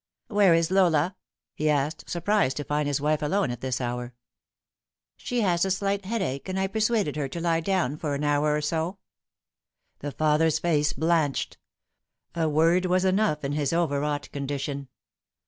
" Where is Lola ?" he asked, surprised to find his wife alone at this hour. " She has a slight headache, and I persuaded her to lie down for an hour or so." The father's face blanched. A word was enough in his over wrought condition.